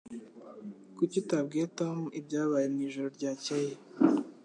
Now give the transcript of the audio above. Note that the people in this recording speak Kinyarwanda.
Kuki utabwiye Tom ibyabaye mwijoro ryakeye